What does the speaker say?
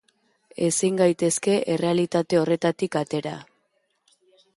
Ezin gaitezke errealitate horretatik atera.